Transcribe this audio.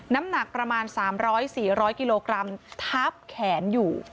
น้ำหนักประมาณสามร้อยสี่ร้อยกิโลกรัมทับแขนอยู่